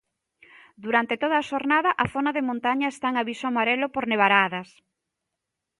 Durante toda a xornada a zona de montaña está en aviso amarelo por nevaradas.